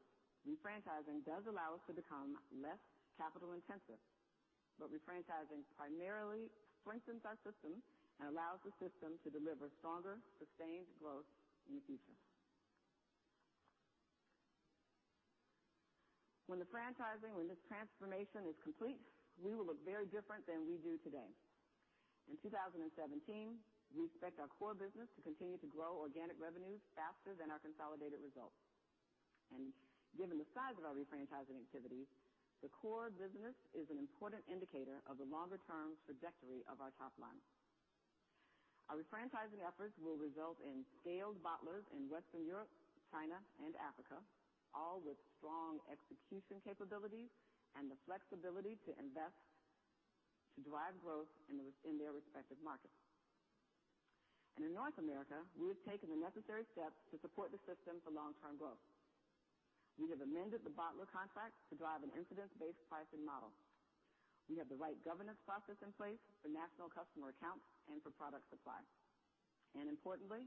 refranchising does allow us to become less capital intensive. Refranchising primarily strengthens our system and allows the system to deliver stronger, sustained growth in the future. When this transformation is complete, we will look very different than we do today. In 2017, we expect our core business to continue to grow organic revenues faster than our consolidated results. Given the size of our refranchising activity, the core business is an important indicator of the longer-term trajectory of our top line. Our refranchising efforts will result in scaled bottlers in Western Europe, China, and Africa, all with strong execution capabilities and the flexibility to invest to drive growth in their respective markets. In North America, we have taken the necessary steps to support the system for long-term growth. We have amended the bottler contract to drive an incidence-based pricing model. We have the right governance process in place for national customer accounts and for product supply. Importantly,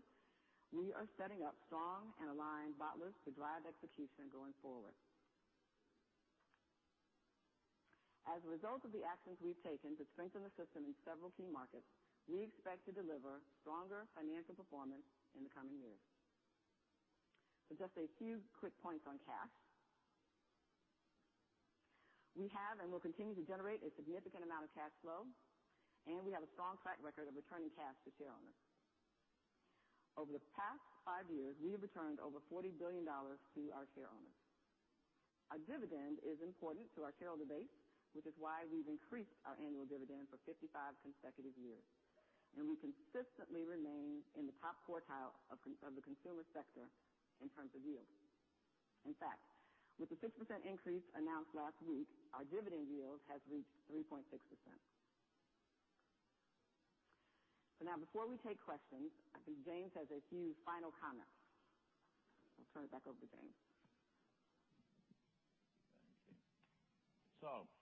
we are setting up strong and aligned bottlers to drive execution going forward. As a result of the actions we've taken to strengthen the system in several key markets, we expect to deliver stronger financial performance in the coming years. Just a few quick points on cash. We have and will continue to generate a significant amount of cash flow. We have a strong track record of returning cash to share owners. Over the past five years, we have returned over $40 billion to our share owners. Our dividend is important to our shareholder base, which is why we've increased our annual dividend for 55 consecutive years. We consistently remain in the top quartile of the consumer sector in terms of yield. In fact, with the 6% increase announced last week, our dividend yield has reached 3.6%. Before we take questions, I think James has a few final comments. I'll turn it back over to James. Thank you.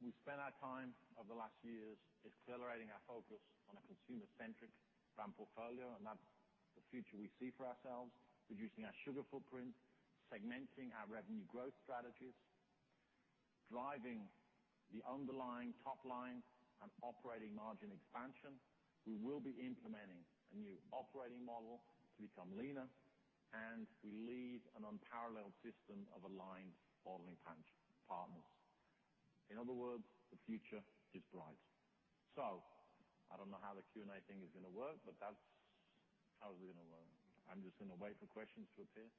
We spent our time of the last years accelerating our focus on a consumer-centric brand portfolio, and that's the future we see for ourselves, reducing our sugar footprint, segmenting our revenue growth strategies, driving the underlying top line and operating margin expansion. We will be implementing a new operating model to become leaner, and we lead an unparalleled system of aligned bottling partners. In other words, the future is bright. I don't know how the Q&A thing is going to work. That's how is it going to work. I'm just going to wait for questions to appear.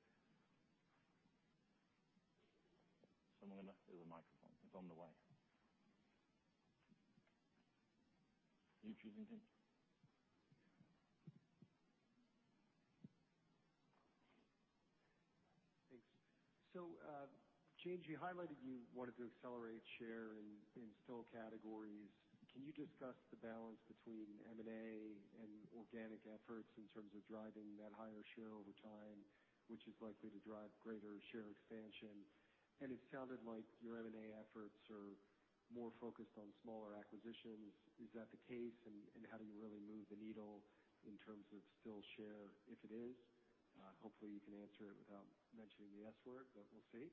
There's a microphone. It's on the way. Are you choosing, James? James, you highlighted you wanted to accelerate share in still categories. Can you discuss the balance between M&A and organic efforts in terms of driving that higher share over time, which is likely to drive greater share expansion? It sounded like your M&A efforts are more focused on smaller acquisitions. Is that the case? How do you really move the needle in terms of still share if it is? Hopefully, you can answer it without mentioning the S word. We'll see.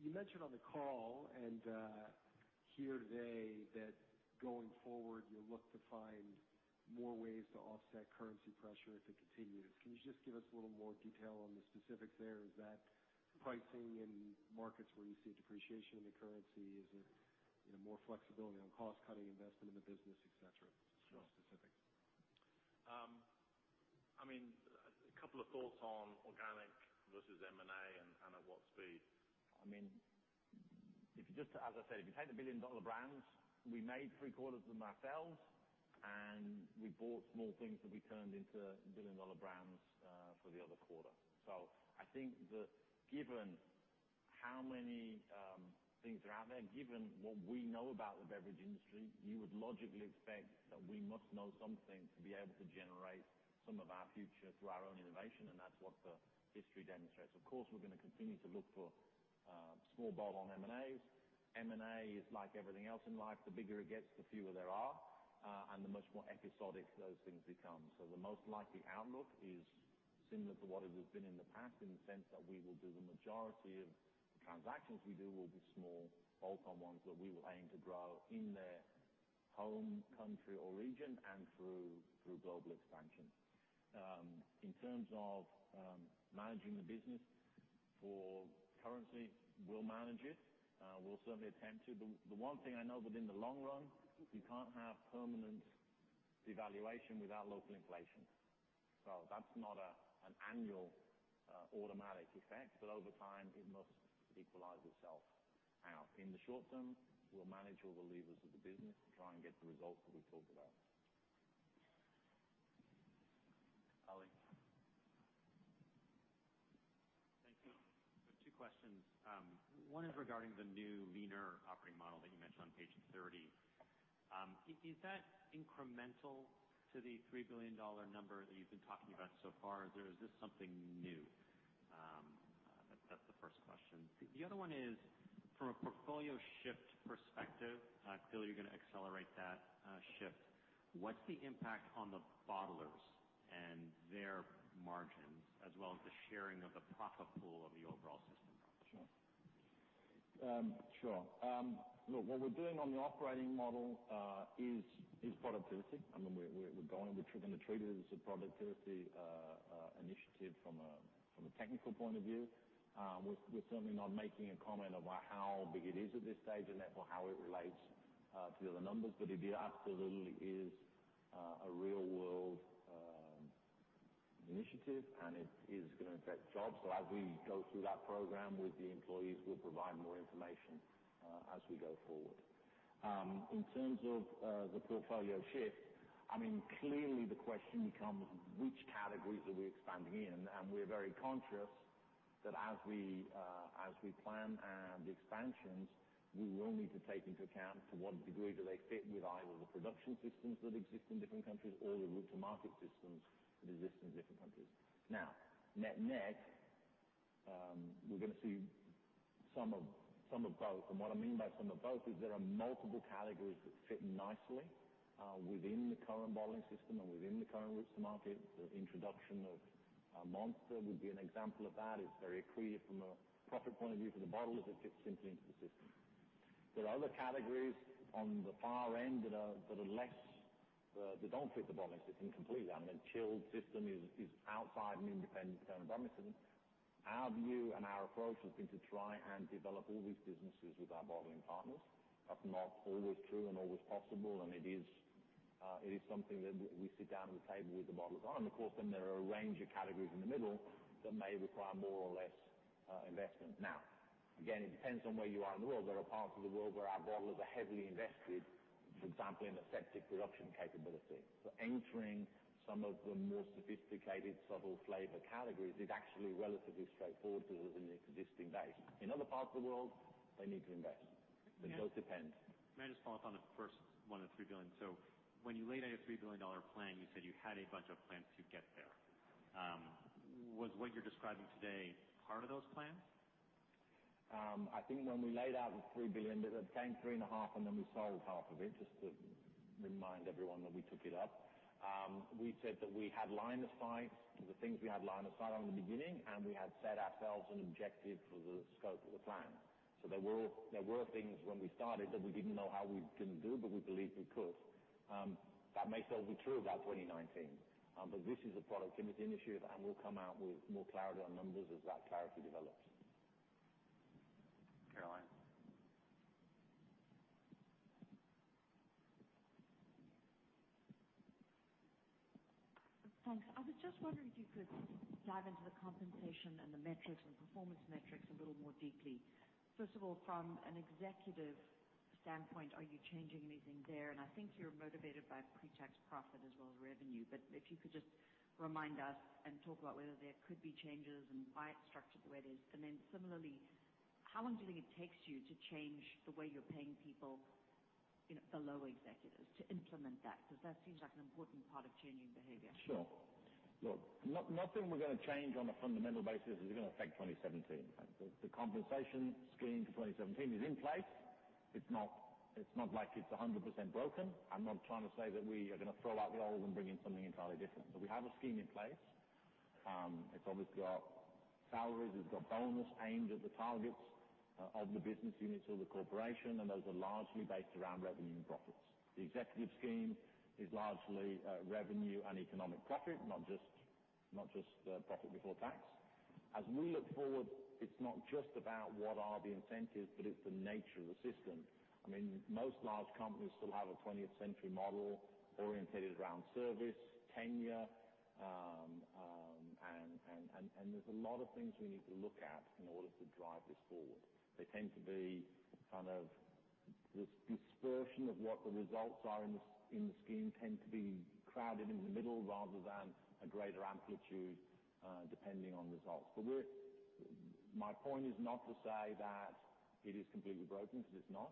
You mentioned on the call and here today that going forward you'll look to find more ways to offset currency pressure if it continues. Can you just give us a little more detail on the specifics there? Is that pricing in markets where you see depreciation in the currency? Is it more flexibility on cost-cutting investment in the business, et cetera? Just specifics. Sure. A couple of thoughts on organic versus M&A and at what speed. As I said, if you take the billion-dollar brands, we made three-quarters of them ourselves, and we bought small things that we turned into billion-dollar brands for the other quarter. I think that given how many things are out there, given what we know about the beverage industry, you would logically expect that we must know something to be able to generate some of our future through our own innovation, and that's what the history demonstrates. Of course, we're going to continue to look for small bolt-on M&As. M&A is like everything else in life. The bigger it gets, the fewer there are, and the much more episodic those things become. The most likely outlook is similar to what it has been in the past, in the sense that we will do the majority of transactions we do will be small bolt-on ones that we will aim to grow in their home country or region and through global expansion. In terms of managing the business for currency, we'll manage it. We'll certainly attempt to. The one thing I know that in the long run, you can't have permanent devaluation without local inflation. That's not an annual automatic effect. Over time, it must equalize itself out. In the short term, we'll manage all the levers of the business to try and get the results that we've talked about. Ali. Thank you. Two questions. One is regarding the new leaner operating model that you mentioned on page 30. Is that incremental to the $3 billion number that you've been talking about so far, or is this something new? That's the first question. The other one is, from a portfolio shift perspective, I feel you're going to accelerate that shift. What's the impact on the bottlers and their margins, as well as the sharing of the profit pool of the overall system? Sure. Look, what we're doing on the operating model is productivity. We're going to treat it as a productivity initiative from a technical point of view. We're certainly not making a comment about how big it is at this stage and therefore how it relates to the other numbers, but it absolutely is a real world initiative, and it is going to affect jobs. As we go through that program with the employees, we'll provide more information as we go forward. In terms of the portfolio shift, clearly the question becomes which categories are we expanding in? We're very conscious that as we plan the expansions, we will need to take into account to what degree do they fit with either the production systems that exist in different countries or the route to market systems that exist in different countries. Net, we're going to see some of both, and what I mean by some of both is there are multiple categories that fit nicely within the current bottling system and within the current route to market. The introduction of Monster would be an example of that. It's very accretive from a profit point of view for the bottlers. It fits simply into the system. There are other categories on the far end that don't fit the bottling system completely. I mean, chilled system is outside and independent in terms of our system. Our view and our approach has been to try and develop all these businesses with our bottling partners. That's not always true and always possible, and it is something that we sit down at the table with the bottlers on. Of course, there are a range of categories in the middle that may require more or less investment. Again, it depends on where you are in the world. There are parts of the world where our bottlers are heavily invested, for example, in aseptic production capability. Entering some of the more sophisticated subtle flavor categories is actually relatively straightforward because of an existing base. In other parts of the world, they need to invest. It does depend. May I just follow up on the first one of the $3 billion? When you laid out your $3 billion plan, you said you had a bunch of plans to get there. Was what you're describing today part of those plans? I think when we laid out the $3 billion, it became three and a half, and then we sold half of it, just to remind everyone that we took it up. We said that we had lined aside the things we had lined aside on the beginning, and we had set ourselves an objective for the scope of the plan. There were things when we started that we didn't know how we can do, but we believed we could. That may still be true about 2019. This is a productivity initiative, and we'll come out with more clarity on numbers as that clarity develops. Caroline. Thanks. I was just wondering if you could dive into the compensation and the metrics and performance metrics a little more deeply. First of all, from an executive Standpoint, are you changing anything there? I think you're motivated by pre-tax profit as well as revenue. If you could just remind us and talk about whether there could be changes and why it's structured the way it is. Then similarly, how long do you think it takes you to change the way you're paying people below executives to implement that? Because that seems like an important part of changing behavior. Sure. Look, nothing we're going to change on a fundamental basis is going to affect 2017. The compensation scheme for 2017 is in place. It's not like it's 100% broken. I'm not trying to say that we are going to throw out the old and bring in something entirely different. We have a scheme in place. It's obviously got salaries, it's got bonus aimed at the targets of the business units or the corporation, and those are largely based around revenue and profits. The executive scheme is largely revenue and economic profit, not just profit before tax. As we look forward, it's not just about what are the incentives, but it's the nature of the system. Most large companies still have a 20th century model oriented around service, tenure. There's a lot of things we need to look at in order to drive this forward. They tend to be this dispersion of what the results are in the scheme tend to be crowded in the middle rather than a greater amplitude, depending on results. My point is not to say that it is completely broken, because it's not.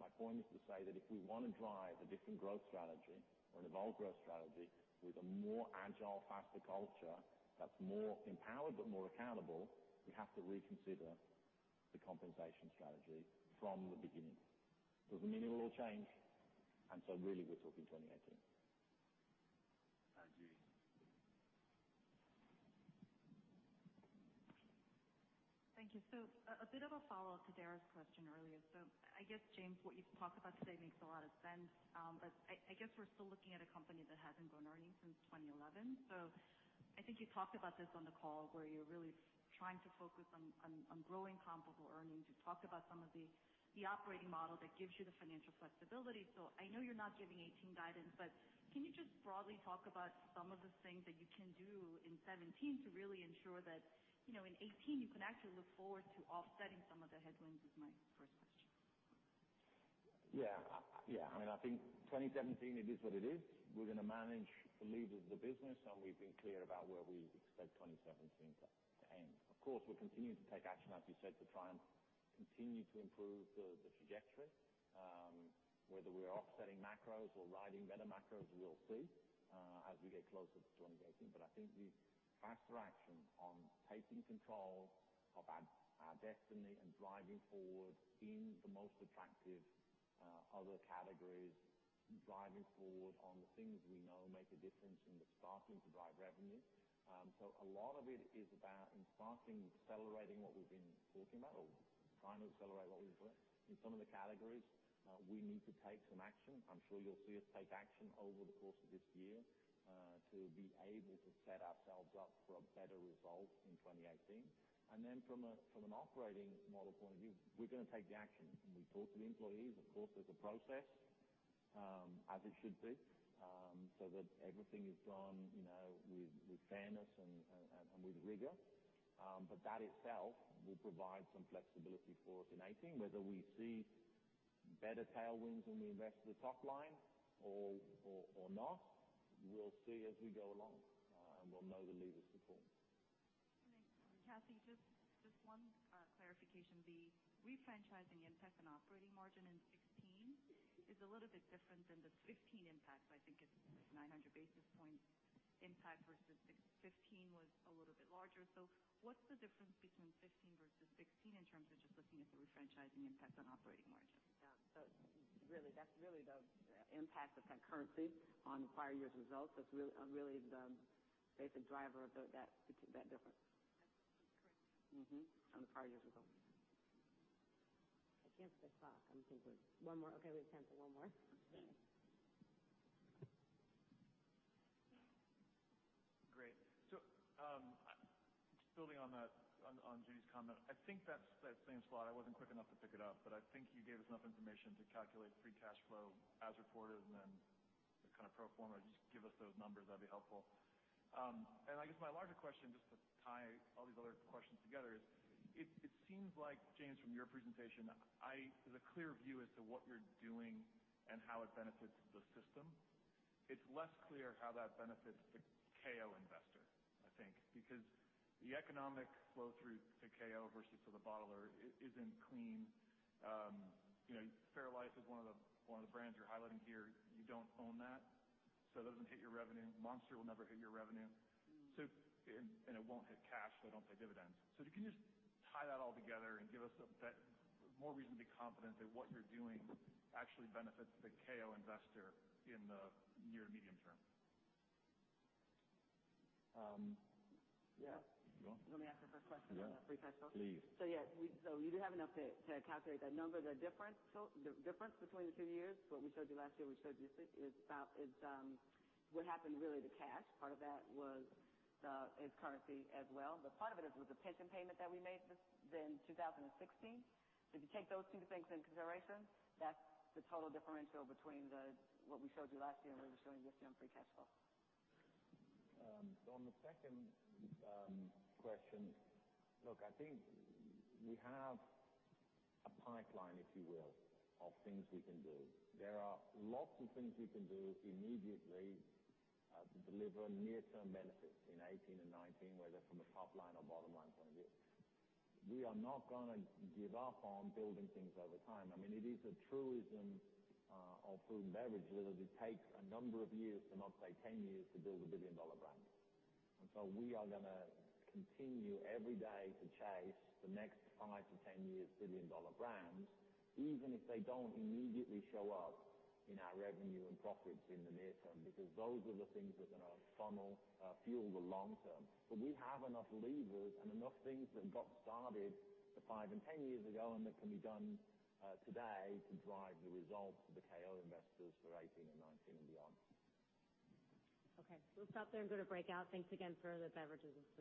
My point is to say that if we want to drive a different growth strategy or an evolved growth strategy with a more agile, faster culture that's more empowered but more accountable, we have to reconsider the compensation strategy from the beginning. Doesn't mean it will all change. Really, we're talking 2018. Hi, Judy. Thank you. A bit of a follow-up to Dara's question earlier. I guess, James, what you've talked about today makes a lot of sense. I guess we're still looking at a company that hasn't grown earnings since 2011. I think you talked about this on the call, where you're really trying to focus on growing comparable earnings. You talked about some of the operating model that gives you the financial flexibility. I know you're not giving 2018 guidance, but can you just broadly talk about some of the things that you can do in 2017 to really ensure that in 2018, you can actually look forward to offsetting some of the headwinds, is my first question. Yeah. I think 2017, it is what it is. We're going to manage the levers of the business, We've been clear about where we expect 2017 to end. Of course, we're continuing to take action, as we said, to try and continue to improve the trajectory. Whether we are offsetting macros or riding better macros, we'll see as we get closer to 2018. I think the faster action on taking control of our destiny and driving forward in the most attractive other categories, driving forward on the things we know make a difference and that's starting to drive revenue. A lot of it is about in starting accelerating what we've been talking about, or trying to accelerate what we've learned. In some of the categories, we need to take some action. I'm sure you'll see us take action over the course of this year, to be able to set ourselves up for a better result in 2018. From an operating model point of view, we're going to take the action. When we talk to the employees, of course, there's a process, as it should be, so that everything is done with fairness and with rigor. That itself will provide some flexibility for us in 2018. Whether we see better tailwinds when we invest in the top line or not, we'll see as we go along. We'll know the levers to pull. Okay. Kathy, just one clarification. The refranchising impact on operating margin in 2016 is a little bit different than the 2015 impact. I think it's 900 basis points impact versus 2015 was a little bit larger. What's the difference between 2015 versus 2016 in terms of just looking at the refranchising impact on operating margin? Yeah. That's really the impact of that currency on the prior year's results. That's really the basic driver of that difference. That's correct. Mm-hmm. On the prior year's result. Against the clock, I'm thinking one more. Okay, we have time for one more. Great. Just building on Judy's comment. I think that same slide, I wasn't quick enough to pick it up, but I think you gave us enough information to calculate free cash flow as reported and then the kind of pro forma. Just give us those numbers, that'd be helpful. I guess my larger question, just to tie all these other questions together is, it seems like, James, from your presentation, there's a clear view as to what you're doing and how it benefits the system. It's less clear how that benefits the KO investor, I think, because the economic flow through to KO versus to the bottler isn't clean. fairlife is one of the brands you're highlighting here. You don't own that, so that doesn't hit your revenue. Monster will never hit your revenue. It won't hit cash, so it don't pay dividends. Can you just tie that all together and give us more reason to be confident that what you're doing actually benefits the KO investor in the near medium term? Yeah. Go on. You want me to answer the first question on the free cash flow? Yeah, please. Yeah. You do have enough to calculate that number. The difference between the two years, what we showed you last year, we showed you this year, is what happened really to cash. Part of that was the currency as well. Part of it was the pension payment that we made in 2016. If you take those two things into consideration, that's the total differential between what we showed you last year and what we're showing you this year on free cash flow. On the second question, look, I think we have a pipeline, if you will, of things we can do. There are lots of things we can do immediately to deliver near-term benefits in 2018 and 2019, whether from a top-line or bottom-line point of view. We are not going to give up on building things over time. It is a truism of food and beverage that it takes a number of years to now say 10 years to build a billion-dollar brand. We are going to continue every day to chase the next 5 to 10 years' billion-dollar brands, even if they don't immediately show up in our revenue and profits in the near term, because those are the things that are going to fuel the long term. We have enough levers and enough things that got started 5 and 10 years ago and that can be done today to drive the results for the KO investors for 2018 and 2019 and beyond. Okay. We'll stop there and go to breakout. Thanks again for the beverages and snacks.